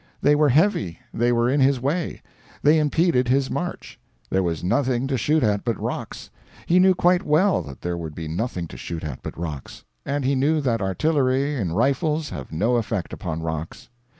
They were heavy, they were in his way, they impeded his march. There was nothing to shoot at but rocks he knew quite well that there would be nothing to shoot at but rocks and he knew that artillery and rifles have no effect upon rocks.